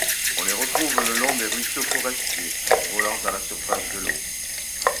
On les retrouve le long des ruisseaux forestiers volant à la surface de l'eau.